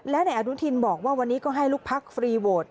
และนายอนุทินบอกว่าวันนี้ก็ให้ลูกพักฟรีโหวต